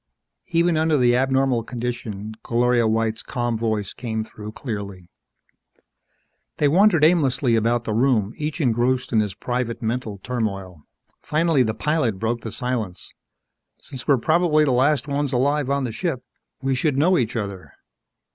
Even under the abnormal conditions Gloria White's calm voice came through clearly. They wandered aimlessly about the room, each engrossed in his private mental turmoil. Finally the pilot broke the silence, "Since we're probably the last ones alive on the ship, we should know each other.